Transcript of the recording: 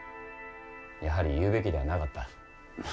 やはり言うべきではなかった。